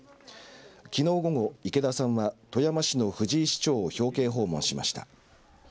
きのう午後池田さんは富山市の藤井市長を表敬訪問しました。